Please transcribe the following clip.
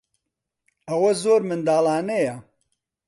ئەوە زۆر منداڵانەیە.